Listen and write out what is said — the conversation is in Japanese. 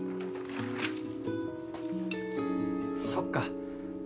そっか。